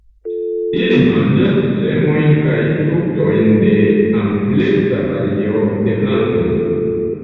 Ili manĝas semojn kaj fruktojn de ampleksa vario de plantoj.